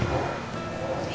iya saya setuju pak surya